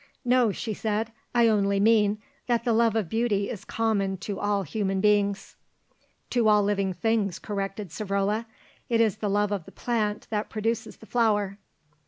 "No," she said; "I only mean that the love of beauty is common to all human beings." "To all living things," corrected Savrola. "It is the love of the plant that produces the flower."